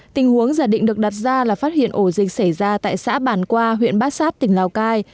tình huống giả định được đặt ra là phát hiện ổ dịch xảy ra tại xã bản qua huyện bát sát tỉnh lào cai